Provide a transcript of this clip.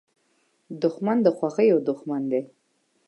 دښمن د خوښیو دوښمن دی